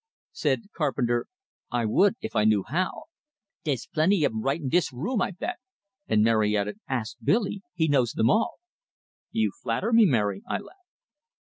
Said Carpenter: "I would, if I knew how." "Dey's plenty of 'em right in dis room, I bet." And Mary added: "Ask Billy; he knows them all!" "You flatter me, Mary," I laughed.